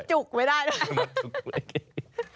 จุกไม่ได้ด้วย